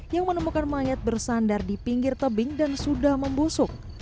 yang menemukan mayat bersandar di pinggir tebing dan sudah membusuk